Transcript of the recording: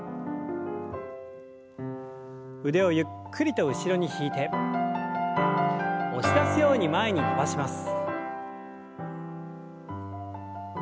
腕をゆっくりと後ろに引いて押し出すように前に伸ばします。